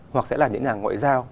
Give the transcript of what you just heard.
hoặc sẽ là những nhà ngoại giao